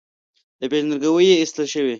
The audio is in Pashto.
له پېژندګلوۍ یې ایستل شوی.